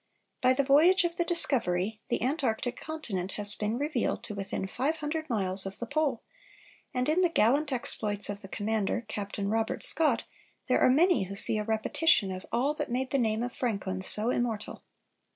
By the voyage of the Discovery, the Antarctic continent has been revealed to within five hundred miles of the Pole, and in the gallant exploits of the commander, Captain Robert Scott, there are many who see a repetition of all that made the name of Franklin so immortal.